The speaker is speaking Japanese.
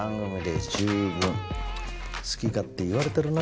好き勝手言われてるな